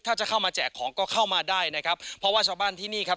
ถ้าจะเข้ามาแจกของก็เข้ามาได้นะครับเพราะว่าชาวบ้านที่นี่ครับ